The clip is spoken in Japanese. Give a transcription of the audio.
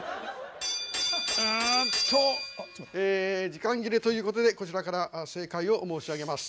時間切れということでこちらから正解を申し上げます。